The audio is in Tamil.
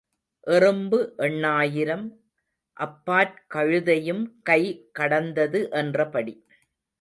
எறும்பு எண்ணாயிரம், அப்பாற் கழுதையும் கை கடந்தது என்றபடி.